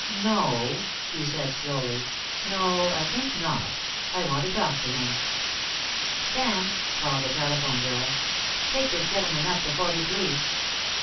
"No," he said slowly. "No. I think not. I want to talk to him." "Sam," called the telephone girl, "take this gentleman up to forty three."